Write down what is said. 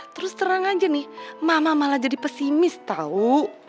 terus terang aja nih mama malah jadi pesimis tahu